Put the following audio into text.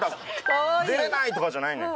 「出れない！」とかじゃないのよ。